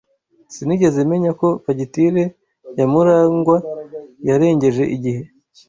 Sinigeze menya ko fagitire ya Murangwa yarengeje igihe.